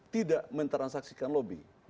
tidak mentransaksikan lobby